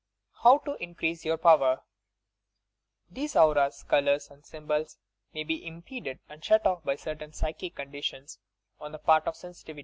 HOW TO INCREASE YOUB POWER "These auras, colours and symbols may be impeded or shut off by certain psychic conditions on the part of the sensitive.